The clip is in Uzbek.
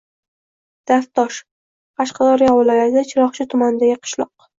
Davtosh - Qashqadaryo viloyati Chiroqchi tumanidagi qishloq.